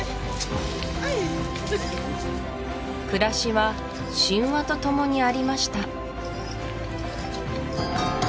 暮らしは神話と共にありました